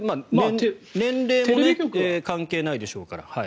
年齢も関係ないでしょうから。